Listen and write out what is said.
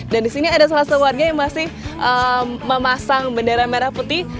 dan disini ada salah satu warga yang masih memasang bendera merah putih